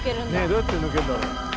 どうやって抜けんだろ。